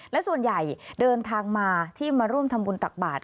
และส่วนใหญ่เดินทางมาที่มาร่วมทำบุญตักบาท